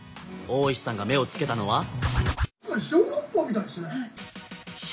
大石さんが目をつけたのは。